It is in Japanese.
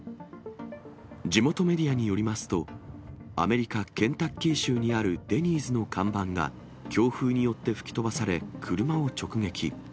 地元メディアによりますと、アメリカ・ケンタッキー州にあるデニーズの看板が強風によって吹き飛ばされ、車を直撃。